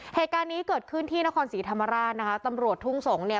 เหตุการณ์นี้เกิดขึ้นที่นครศรีธรรมราชนะคะตำรวจทุ่งสงศ์เนี่ย